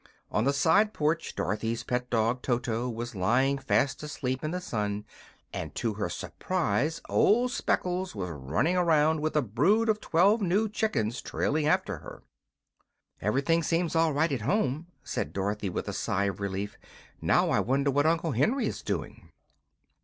On the side porch Dorothy's pet dog, Toto, was lying fast asleep in the sun, and to her surprise old Speckles was running around with a brood of twelve new chickens trailing after her. "Everything seems all right at home," said Dorothy, with a sigh of relief. "Now I wonder what Uncle Henry is doing."